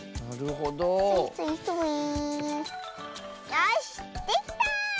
よしできた！